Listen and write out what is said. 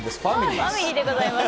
ファミリーでございます。